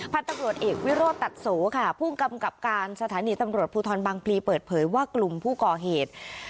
ตำรวจเอกวิโรธตัดโสค่ะผู้กำกับการสถานีตำรวจภูทรบางพลีเปิดเผยว่ากลุ่มผู้ก่อเหตุ